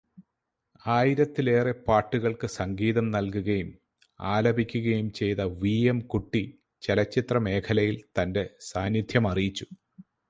ആയിരത്തിലേറെ പാട്ടുകൾക്ക് സംഗീതം നൽകുകയും ആലപിക്കുകയും ചെയ്ത വി എം കുട്ടി ചലച്ചിത്ര മേഖലയിലും തന്റെ സാന്നിധ്യമറിയിച്ചു.